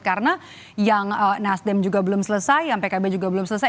karena yang nasdem juga belum selesai yang pkb juga belum selesai